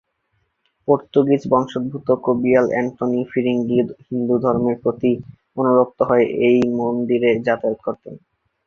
পর্তুগিজ-বংশোদ্ভুত কবিয়াল অ্যান্টনি ফিরিঙ্গি হিন্দুধর্মের প্রতি অনুরক্ত হয়ে এই মন্দিরে যাতায়াত করতেন।